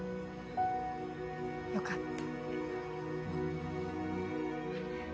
よかった。